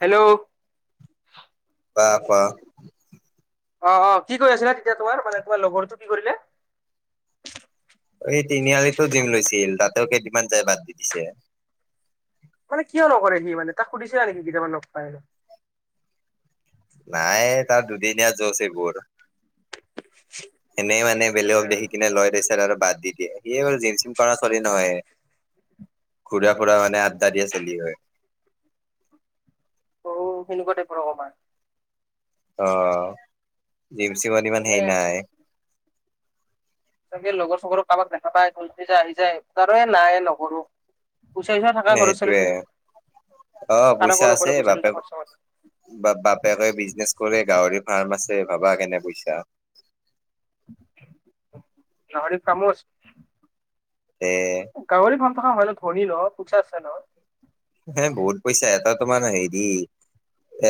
Hello কোৱা, কোৱা। অ', অ' কি আছিলে তেতিয়া তোমাৰ মানে তোমাৰ লগৰটো কি কৰিলে? অ' এই তিনিআলিতো জিম লৈছিল, তাতেও কেইদিনমান যাই বাদ দি দিছে। মানে কিয় নকৰে সি মানে, তাক সুধিছিলা নেকি কেতিয়াবা লগ পায় হলো। নাই তাৰ দুদিনীয়া জুচ সেইবোৰ। এনেই মানে বেলেগক দেখি কিনে লয় তাৰ পিছত আৰু বাদ দি দিয়ে। সি বাৰু জিম চিম কৰা ছোৱালী ন - হয়, ঘুৰা ফুৰা কৰা মানে আড্ডা দিয়া ছোৱালী হয়। অ' সেনেকুৱা টাইপৰ অকমান। অ' জিম চিমত ইমান মানে হেৰি নাই। চাগে লগৰ চগৰে কাৰোবাক দেখা পায়, জুচতে আহি যায়, তাৰ পিছত নাই নকৰো। প‌ইচা চ‌ইচা থাকাই ঘৰৰ ছোৱালী সেইটোয়ে চাগে, অ পইচা কাৰকো আছে নকৰে প‌ইচা বাপেক দেউতাকৰ ওচৰত। বা বা বাপেকে বিজনেচ কৰে গাহৰি ফাৰ্ম আছে, ভাবা কেনে পইছা। গাহৰি ৰ্ফাম‌ও আছে। [unintelligible] গাহৰি ৰ্ফাম থকা হ'লে ধনী ন, প‌ইচা আছে ন'হয়। হে বহুত পইচা, এটা তোমাৰ হেৰি -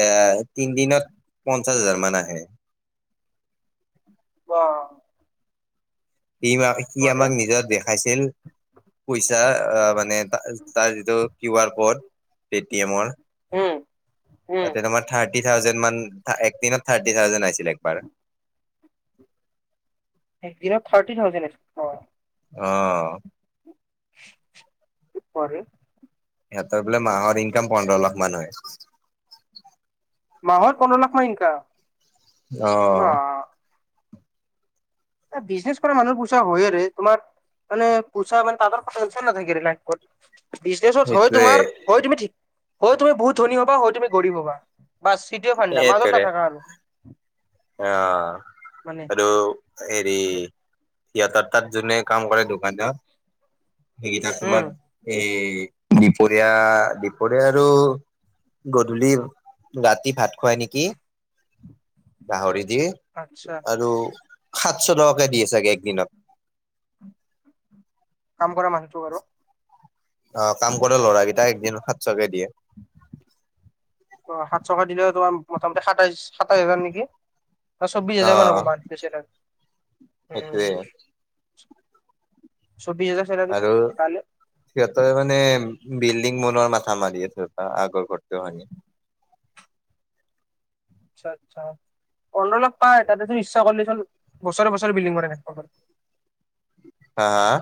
এ তিনদিনত পঞ্চাশ হাজাৰ মান আহে। ৱাওঃ। সি মানে, সি আমাক নিজৰ দেখাইছিল পইচা অ' মানে- তাৰ যিটো কিউ আৰ ক'ৰ্ড পে টি এমৰ উম উম তাতে তোমাৰ থাৰ্টি থাউজেন মান একদিনত থাৰ্টি থাউজেন আহিছিল একবাৰ। একদিনত থাৰ্টি থাউজেণ্ড, বাহঃ। অ', কি কোৱা ৰে! সিহঁতৰ বোলে মাহৰ ইনকাম পোন্ধৰ লাখ মান হয়। মাহত পোন্ধৰ লাখ মান ইনকাম। বা অ', এই বিজনেছ কৰা মানুহৰ প‌ইচা হয়ে ৰে, তোমাৰ - মানে প‌ইচা মানে তাঁহাতৰ একো টেনশ্যন নাথাকে লাইফত। বিজনেছত হয় সেইটোৱে তোমাৰ, হয় তুমি ঠিক, হয় তুমি বহুত ধনী হবা হয় তুমি গৰীব হবা, বচ। এইটোৱে ফান্ডা মাজত সেইটোৰে নাথাকা আৰু। মানে অ' আৰু হেৰি - ইয়াৰ তাত জোনে কাম কৰে দোকানত সেইকেইটা উম তোমাৰ এই দুপৰীয়া দুপৰীয়া আৰু গধূলি ৰাতি ভাত খুৱাই নেকি। গাহৰি দি আচ্ছা আৰু সাতশ টকাকে দিয়ে চাগে একদিনত। কাম কৰা মানুহটোক আৰু? অ' কাম কৰে ল'ৰাকেইটাক এদিন সাতশ কে দিয়ে। অ' সাতশ কে দিলেও তোমাৰ মোটামুটি সাতাইশ সাতাইশ হাজাৰ নেকি? অ' চৌবিশ হাজাৰ মান হব [unintelligible] দাম উম। সেইটোয়ে চৌবিশ হাজাৰ চেলাৰী আৰু পালে সিহঁতে মানে বিল্ডিং বনোৱাৰ মাথা মাৰি আছে তাৰ আগৰ ঘৰটোয়ে মানে। আচ্ছা আচ্ছা, অলপ অলপ পাই তাতে চোন ইচ্ছা কৰিলে বছৰে বছৰে বিল্ডিং বনাই থাকিব পাৰে। হা হা?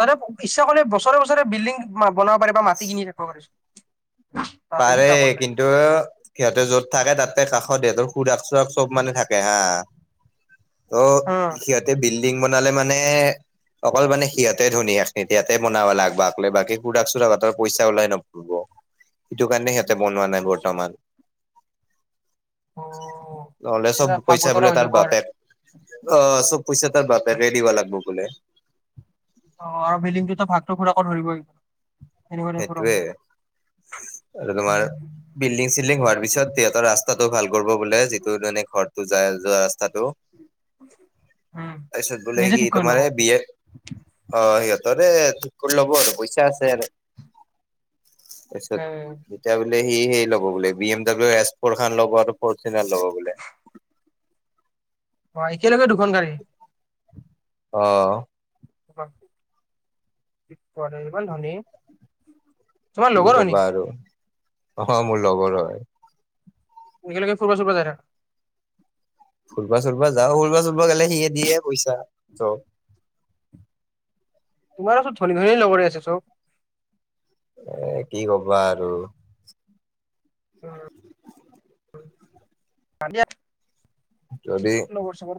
তাৰে ইচ্ছা কৰিলে বছৰে বছৰে বিল্ডিং বনাব পাৰি বা মাটি কিনি থাকিব পাৰে চোন। পাৰে কিন্তু সিহঁতে য'ত থাকে তাতে কাষত হিহঁতৰ খুুৰাক চুৰাক চব মানে থা কে হা উম, ত' সিহঁ তে বিল্ডিং বনালে মানে অকল মানে সিহঁতে ধনী এখিনিত সিয়াতে বনাবা লাগবা একলা বাকী খুৰাক চুৰাক হঁতৰ পইচা ওলাই নপৰিব সেইটো কাৰণে সিহঁতে বনোৱা নাই আচ্ছা। বৰ্তমান। অ'। নহ'লে পুৰা চব ভাগ পইচা বতৰা বোলে হৈ যাব তাৰ আৰু। বাপেক অঁ চব পইচা তাৰ বাপেকে দিব লাগিব বোলে। অঁ বিল্ডিংটোত ভাগটো খুৰাকো ধৰিবই। সেনেকুৱা টাইপৰ অ'। সেটোৱে আৰু তোমাৰ বিল্ডিং চিল্ডিং হোৱাৰ পিছত সিহঁতৰ ৰাস্তাটো ভাল কৰিব বোলে যিটো মানে ঘৰ যাই যোৱা ৰাস্তাটো উম, তাৰপিছত বোলে নিজে সি ঠিক কৰি ল'ব। তোমাৰ বি এ অঁ সিহঁতৰে ঠিক কৰি লব আৰু পইচা আছে আৰু। তাৰপিছত উম, তেতিয়া বোলে সি সেই ল'ব বোলে B M W S four খন ল'ব আৰু ফৰচুনাৰ ল'ব বোলে। বোৱা একেলগে দুখন গাড়ী। অঁ। কি কোৱা ইমান ধনী। তোমাৰ কি লগৰ হয় কবা নেকি? আৰু অ' মোৰ লগৰ হয়। একেলগে ফুৰিব চুৰিব যায় থাক। ফুৰিবা চুৰিবা যাও ফুৰিবা চুৰিবা গেলে সিয়ে দিয়ে পইচা চব। তোমাৰেটো ধনী ধনী লগৰে আছে চব? এ কি কবা আৰু। উম। আমি যদি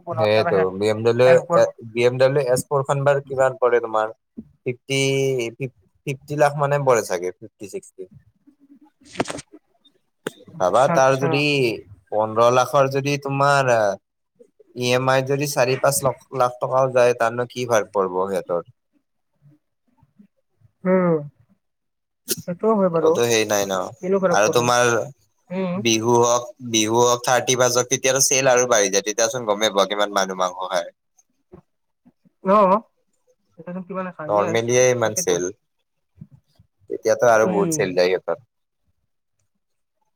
বনাওঁতে তাৰপৰা সেইটো হে বি এম ডাবলিউ হেল্প এ কৰিব। B M W S four খন বাৰু কিমান পৰে তোমাৰ? ফিফটি ফিফটি লাখ মানে পৰে চাগে ফিফটি চিক্সটি ভাবা আচ্ছা তাৰ আচ্ছা যদি পোন্ধৰ লাখৰ যদি তোমাৰ ই এম আই যদি চাৰি পাঁচ লাখ টকাও যায় তাৰ নো কি বাৰ পৰব সিহঁতৰ উম। সেইটোও হয় বাৰু সিহঁতৰ হেৰি নাই ন কিনো হেল্প আৰু কৰিব তোমাৰ বি উম, বিহু হওক, বিহু হওক, থাৰ্টি ফাৰ্ষ্ট হওক তেতিয়া চেল আৰু বাঢ়ি যায় তেতিয়া চোন গমেই পোৱা, কিমান মানুহ মাংস খায়। [unintelligible] অঁ। নৰ্মেলিয়ে ইমান তাকেতো। চেল। তেতিয়াতো আৰু বহুত উম, চেল যায় সিহঁতৰ। [unintelligible]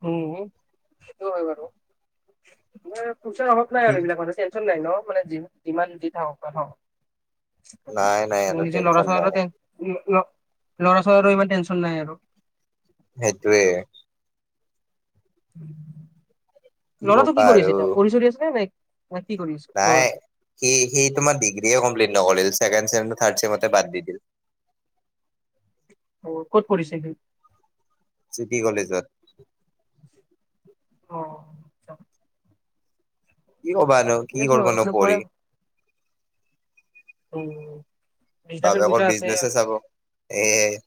উম! সেইটো হয় বাৰু। [inaudible] প‌ইছাৰ অভাৱ নাই কি আৰু এইবিলাক মানুহ [unintelligible] টেনছন নাই ন মানে যিমান দি থাকক, নাথাকক [unintelligible] নাই নাই সিহঁতৰ নিজৰ টেনচন নাই লৰা-ছোৱালীৰো [unintelligible] ল'ৰা-ছোৱালীৰো ইমান টেনচন নাই আৰু। সেইটোৱে। [inaudible] লৰাটো কি কবা কৰি আছে আৰু এতিয়া? পঢ়ি-চঢ়ি আছে নে? নে কি কৰি আছে? [unintelligible] নাই সি সেই তোমাৰ ডিগ্ৰীয়েই কমপ্লিট নকৰিল, ছেকেণ্ড চেম [unintelligible] থাৰ্ড ছেমতে বাদ দি দিল। অ ক'ত পঢ়িছিল? [inaudible] চিটি কলেজত। [inaudible] অ', আচ্ছা। কি কবানো, ঠিক কি আছে বাৰু কৰিবনো মানে পঢ়ে পঢ়ি [unintelligible] উম! বিজনেচৰ পইচা বাপেকৰ আছে বিজনেছে আৰু চাব এইয়াই। [inaudible]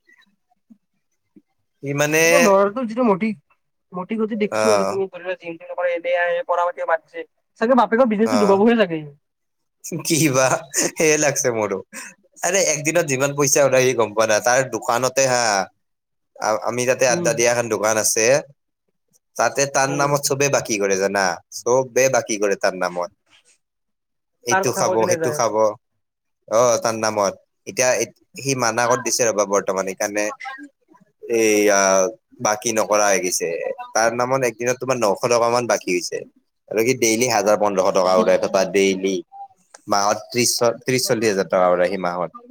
[unintelligible] এ ল'ৰাটোৰ যিটো মটি [inaudible] মটি-গতি অ দেখিছো আৰু তোৰ [unintelligible] [unintelligible] নকৰে এইয়াই পঢ়া পাতি ভাল দিলে। চাগে বাপেকৰ বিজনেছো দুবাবহে চাগে ই? কিবা [unintelligible] সেয়ে লাগছে মোৰো। আৰে একদিনত যিমান পইচা ওলাই সি গম পোৱা নাই। তাৰ দোকানতে হা [inaudible] [unintelligible] আমি তাতে উম, আড্ডা দিয়া এখন দোকান আছে তাতে তাৰ উম, নামত চবেই বাকী কৰে জানা, চবে বাকী কৰে। [inaudible] তাৰ নামত। তাৰ এইটো কথা কৈ খাব, কেনে যায় সেইটো আৰু খাব। [unintelligible] অ! তাৰ নামত। এতিয়া সি মানা কৰি দিছে ৰবা বৰ্তমান সেইকাৰণে [unintelligible] এয়া বাকী নকৰা হৈ গৈছে। তাৰ নামত একদিনত তোমাৰ নশ টকা মান বাকী [unintelligible] [unintelligible] হৈছে আৰু সি ডেইলি হাজাৰ, পোন্ধৰশ টকা সি ওলাই থ [inaudible] বা ডেইলি মাহত ত্ৰিশ [inaudible] ত্ৰিশ, চল্লিশ হাজাৰ টকা ওলাই সি মাহত।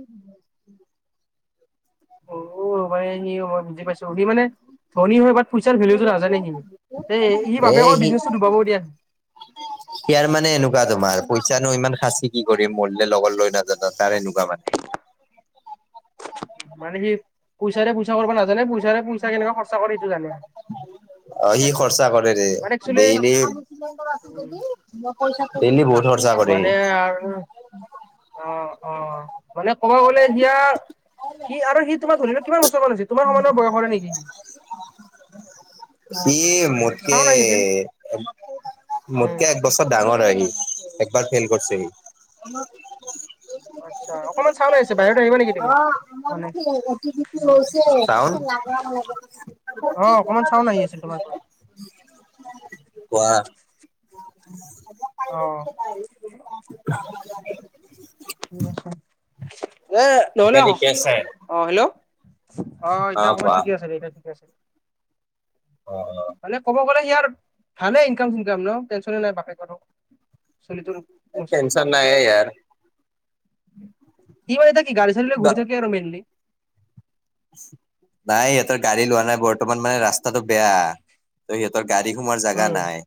অ! মানে সি মই বুজি পাইছো। ‌ সি মানে ধনী হয় বাত পইচাৰ ভেলোটো নাজানে সি। [unintelligible] এই ই এ বাপেকৰ বিজনেচটো ডুবাব দিয়া। [unintelligible] ইয়াৰ মানে এনেকুৱা তোমাৰ, পইচানো ইমান সাঁচি কি কৰিম? মৰিলে লগত লৈ নাযাওঁ ন তাৰ এনেকুৱা মানে। [unintelligible] মানে সি পইচাৰে পইচা কৰিব নাজানে, পইচাৰে পইচা কেনেকা খৰচা কৰে, সেইটো জানে। [unintelligible] অ! সি পাইছো খৰচা কৰে দে মানে একচুৱেলি ডইলি [unintelligible] ডেইলি বহুত। [unintelligible] মানে আৰু অঁ-অঁ! মানে ক'ব গলে এতিয়া [unintelligible] সি আৰু সি তোমাৰ ধৰি ল' কিমান বছৰমান হৈছে? তোমাৰ সমানৰ বয়সৰে নেকি? [unintelligible] সি মোতকে চাউন আহি আছিল [inaudible] উম, মোতকে এক বছৰ ডাঙৰ হয় সি। একবাৰ ফেইল কৰিছে সি। [inaudible] আচ্ছা! অকণমান ছাউণ্ড আহিছে [unintelligible] নেকি তুমি? অঁ! মানে আমাৰ অ', [unintelligible] হৈছে অ', [unintelligible] অকমান চাউন আহি আছিল তোমাৰ পৰা ছাউণ্ড [unintelligible] কোৱা? অঁ! [inaudible] [unintelligible] এ নহ'লে এতিয়া [inaudible] ঠিকে আছে? অ হেল্ল'? অঁ এতিয়া অ' অকমান কোৱা, ঠিকে আছে, এতিয়া ঠিকে আছে। [unintelligible] অ-অ [inaudible] মানে ক'ব গ'লে সিয়াৰ ভালে ইনকাম-চিনকাম ন', টেনচনে নাই বাপেকহঁতৰ চলিটোৰ [unintelligible] টেনচন নাই এই ইয়াৰ। [unintelligible] সি মানে কি এতিয়া গাড়ী-চাড়ী লৈ ঘূৰি থাকে আৰু মেইনলি। [unintelligible] নাই ইহঁতৰ গাড়ী লোৱা নাই, বৰ্তমান মানে ৰাস্তাটো বেয়া। ত' সিহঁতৰ গাড়ী সোমাৱাৰ জাগা উম নাই।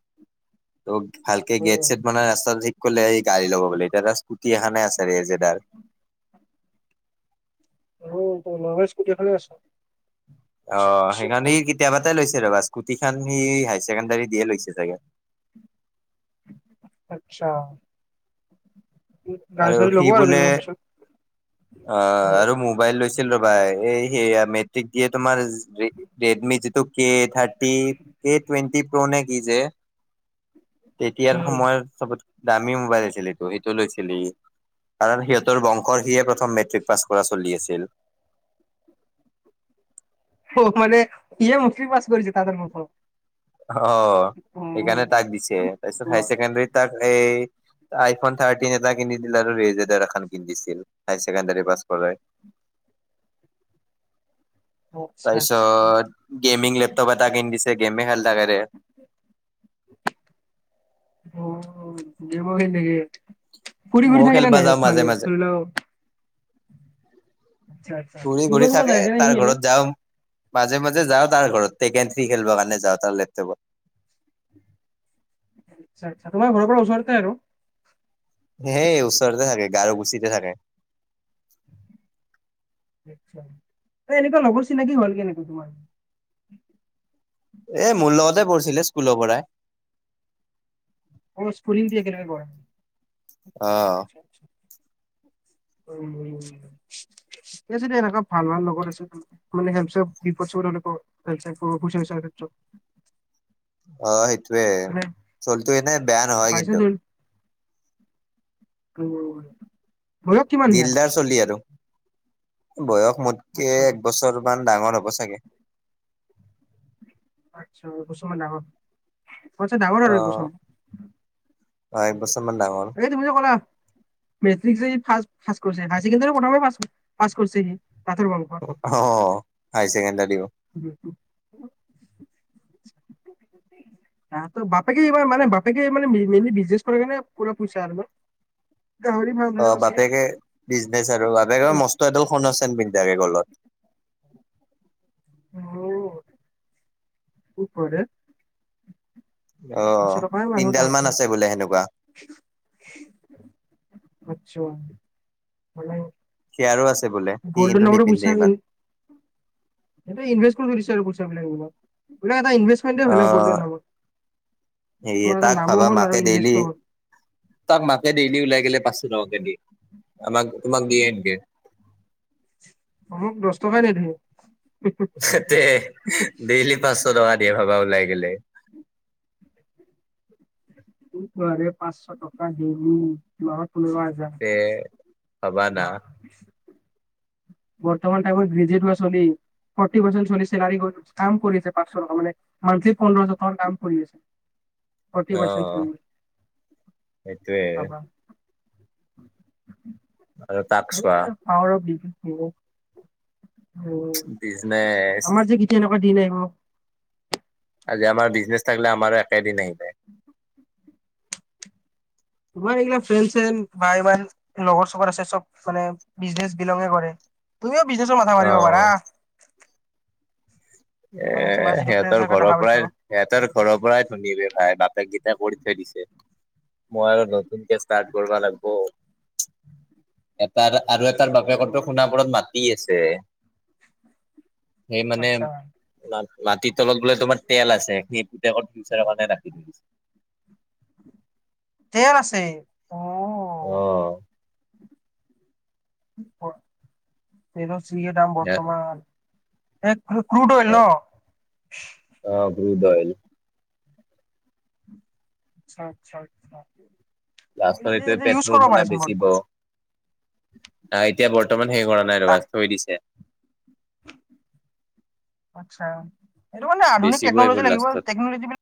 ত' ভালকে গেট উম চেট বানাই, ৰাস্তাটো ঠিক কৰিলেহে সি গাড়ী লব বোলে। এতিয়া জাষ্ট গুটি এখানে আছে ৰে যেডাৰ। অ তাৰ ৰঙা স্কুটি এখনো আছে। অ, সেইখন সি কেতিয়াবাতে লৈছে ৰ'বা, স্কুটি খন সি হায়ছেকেণ্ডাৰী দিয়ে লৈছে চাগে। আচ্ছা। গাড়ী আৰু চাড়ী সি ল'ব বোলে কেইদিনমান পিছত অ আৰু মোবাইল লৈছি ল ৰ'বা, এই সেয়া মেট্ৰিক দিয়ে তোমাৰ ৰেডমি যি টো কে থাৰটি, কে টুৱেণ্টি প্ৰ' নে কি যে তেতিয়াৰ সময়ত চবতকে দামী মোবাইল আছিল এইটো, সেইটো লৈছিল। সিয়ে কাৰণ সিহঁতৰ বংশৰ সিয়ে প্ৰথম মেট্ৰিক পাছ কৰা চলি আছিল। অহ মানে, সিয়ে মুখীৰ পাছ কৰিছে সিহঁতৰ বংশৰ। অ' সেইকাৰণে তাক দিছে তাছত হায় চেকেণ্ডেৰীত তাক সেই আইফোন থাৰ্টিন এটা কিনি দিলে আৰু ৰে জেডাৰ এখন কিনি দিছিল, হায়ছেকেণ্ডাৰী পাছ কৰাই। আচ্ছা আচ্ছা তাৰপিছত গেমিং লেপটপ এটা কিনি দিছে, গেমে খেল থাকে ৰে। অ অ গেমো খেলে নেকি? ঘূৰি ঘূৰি ময়ো থাকে নে খেলবা নাই যাওঁ মাজে মানে মাজে ধৰি লওক ঘূৰি ফুৰিব ঘূৰি চুৰিব থাকে, যায় নে সি তাৰ এনে ঘৰত যাও। মাজে মাজে যাও, তাৰ ঘৰত টেকেন থ্ৰী খেলিবৰ কাৰণে যাও তাৰ লেপটপত। আচ্ছা আচ্ছা তোমাৰ ঘৰৰ পৰা ওচৰতে আৰু সেই ওচৰতে থাকে, গাৰু গুচিতে থাকে। এ, এনেকোৱা লগৰ চিনাকি হ'ল কেনেকৈ তোমাৰ। এ, মোৰ লগতে পঢ়িছিলে স্কুলৰ পৰাই অ স্কুলিং দে কেনেকোৱা অ উম আছে দে এনেকোৱা ভাল ভাল লগৰ আছে ত মানে হেনচ বিপদ চিপদত এনেকোৱা পইচা বিচৰাৰ ক্ষেত্ৰত অ সেইটোৱে মানে চলিটো এনেই বেয়া নহয় কিন্তু বাইচাঞ্চ মোৰো হয় দিলদাৰ চলি আৰু বয়স মোতকে আচ্ছা একবছৰ মান ডাঙৰ হ'ব চাগে আচ্ছা এবছৰ মান ডাঙৰ মোতকে ডাঙৰ অ। আৰু এক বছৰ অ এক বছৰ মান ডাঙৰ এই তুমি যে কলা মেট্ৰিক যদি ফাষ্ট ফাৰ্ষ্ট কৰিছে হায় ছেকেণ্ডাৰী প্ৰথমে পাছ পাছ কৰিছে তাহাঁতৰ বাবু অ হাই ছেকেণ্ডাৰীও উ তাহাঁতৰ বাপেকে এইবাৰ মানে বাপেকে মানে মেইনলি বিজনেছ কৰে কাৰণে পুৰা পইচা আৰু ন গাহৰি অ মানুহে বাপেকে বিজনেচ আৰু বাপেকে মস্ত এডাল সোণৰ চেন পিন্ধি থাকে গলত অ কি কৰে অ দুশ টকাই মানুহ তিনিডাল মান তাহাঁতে আছে বোলে সেনেকোৱা আচ্ছা মানে সিয়াৰো আছে বোলে সি গ'ল্ডৰ কিন্তু নামতো নিপিন্ধে ইমান সেইটো ইনভেষ্ট কৰি থৈ দিছে আৰু পইচা বিলাক উলোৱা এতিয়া এটা ইনভেষ্ট অ [unintelligible] সেয়ে তোমাৰ এটা তাক নামো ভাবা হ'ল মাকে আৰু ডেইলি ইনভেষ্টটো হ'ল। তাক মাকে ডেইলি ওলাই গলে পাঁচশ টকাকে দিয়ে, আমাক তোমাক দিয়ে এনেকে? মোক দছ টকাই নেদিয়ে। [unintelligible] ডেইলি পাঁচশ টকা দিয়ে ভাবা ওলাই গলে! [inaudible] পাঁচশ টকা ডেইলী, মাহত পোন্ধৰ হেজাৰ। এ [inaudible] বৰ্তমান টাইমত [unintelligible] ফৰ্টি পাৰ্চেণ্ট চলি চেলাৰি গল কাম কৰি আছে পাঁচশ টকা মানে। মান্থলী পোন্ধৰ হেজাৰ টকাৰ কাম কৰি আছে। ফৰ্তী অ পাৰ্চেণ্ট সেইটোয়ে [inaudible] ভাবা। আৰু তাক চোৱা। [inaudible] [inaudible] বিজনেচ আমাৰ যে এনেকুৱা দিন আহিব? আজি আমাৰ বিজনেছ থাকিলে আমাৰো একেদিন আহিব। [inaudible] তোমাৰ এইগিলা ফ্ৰেন শ্ৰেন বাই ওৱান লগৰ চগৰ আছে সব মানে বিজনেচ বিলগে কৰে। তুমিও বিজনেছৰ মাথা মাৰিব অ পাৰা। এ মানে তোমাৰ যিটো ফ্ৰেণ্ড সিহঁতৰ চাৰ্কেল দেখা ঘৰৰ পাইছো। পৰাই সিহঁতৰ ঘৰৰ পৰাই ধনী বে ভাই বাপেকেইটাই কৰি থৈ দিছে। মই আৰু নতুনকে ষ্টাৰ্ট কৰিব লাগব। এটাৰ আৰু এটাৰ বাপেকৰটো উম, সোণাপুৰত মাটি আছে। সেই মানে আচ্ছা মাটিৰ তলত বোলে তোমাৰ তেল আছে, সেই পুতেকৰ ফিউচাৰ কাৰণে ৰাখি থৈ দিছে। তেল আছে? অ, অ। [inaudible] তেলৰ যিহে দাম বৰ্তমান! এ ক্ৰুড ক্ৰুড অইল ন? অ ক্ৰুড অইল। আচ্ছা, আচ্ছা, আচ্ছা। লাষ্টত এইটোৱে এইটো ইউজ পেট্ৰল কৰিব বনায় পাৰেচোন বেচিব! বৰ্তমান আ এতিয়া বৰ্তমান হেৰি কৰা নাই ৰ'বা থৈ দিছে! আচ্ছা এইটো কাৰনে আধুনিক বেচিব এইবোৰ টেকন'লজী লাগিব! লাষ্টত। টেকন'লজী [unintelligible]